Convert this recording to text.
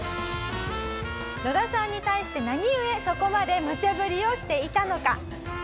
ノダさんに対してなにゆえそこまでムチャブリをしていたのか？